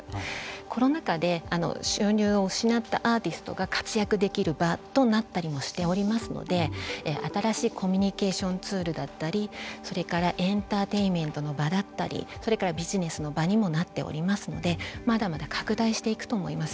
コロナ禍で収入を失ったアーティストが活躍できる場となったりもしておりますので新しいコミュニケーションツールだったりそれからエンターテインメントの場だったりそれからビジネスの場にもなっておりますのでまだまだ拡大していくと思います。